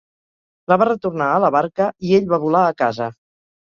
La va retornar a la barca i ell va volar a casa.